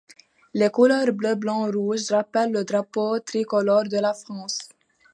Les couleurs bleu-blanc-rouge rappellent le drapeau tricolore de la France.